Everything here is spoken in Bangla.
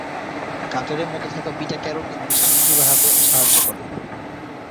গাজরের মধ্যে থাকা বিটা ক্যারোটিন দৃষ্টিশক্তি বাড়াতে সাহায্য করে।